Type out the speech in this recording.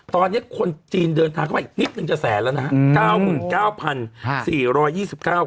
ตอนนี้คนจีนเดินทางเข้ามาอีกนิดนึงจะแสนแล้วนะฮะ